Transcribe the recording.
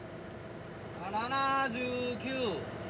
７９。